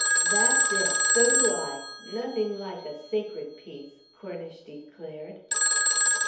"That's it. So do I. Nothing like a nice sacred piece," Cornish declared.